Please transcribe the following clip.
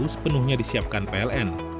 sepenuhnya disiapkan pln